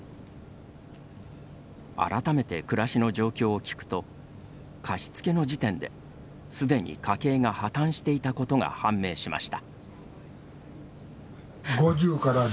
改めて暮らしの状況を聞くと貸付の時点で、既に家計が破綻していたことが判明しました。